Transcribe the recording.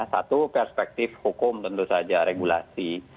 satu perspektif hukum tentu saja regulasi